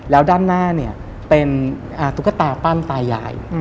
แล้วด้านหน้าเนี่ยเป็นตุ๊กตาปั้นตายาย